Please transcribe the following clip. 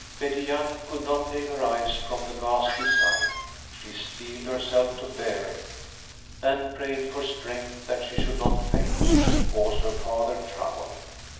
Betty Young could not take her eyes from the ghastly sight. She steeled herself to bear it, and prayed for strength that she should not faint and cause her father trouble.